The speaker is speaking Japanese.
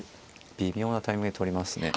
微妙なタイミングで取りますね。